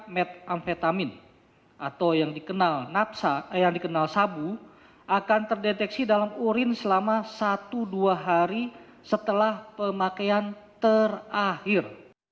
metamfetamin atau yang dikenal napsa yang dikenal sabu akan terdeteksi dalam urin selama satu dua hari setelah pemakaian terakhir